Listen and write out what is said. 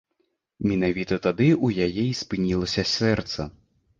Менавіта тады ў яе і спынілася сэрца.